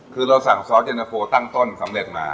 คือเราสั่งซอสเย็นตะโฟตั้งต้นสำเร็จมา